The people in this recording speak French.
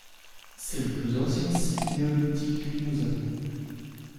C'est le plus ancien site néolithique du Limousin.